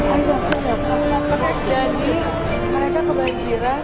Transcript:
air banjir jadi mereka kebanjiran